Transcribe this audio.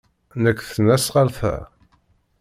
Nnek tesnasɣalt-a?